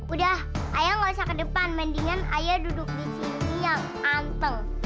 udah ayo gak usah ke depan mendingan ayah duduk di sini yang anteng